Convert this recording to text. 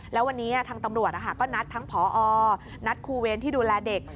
แล้ววันนี้ทางตำรวจก็นัดทั้งผอนัดครูเวรที่ดูแลเด็ก